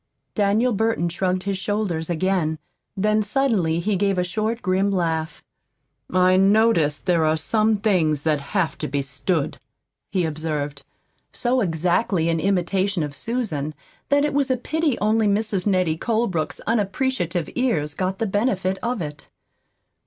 Daniel Burton shrugged his shoulders again. Then suddenly he gave a short, grim laugh. "I notice there are some things that have to be stood," he observed, so exactly in imitation of Susan that it was a pity only Mrs. Nettie Colebrook's unappreciative ears got the benefit of it.